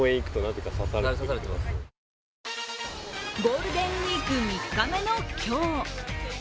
ゴールデンウイーク３日目の今日。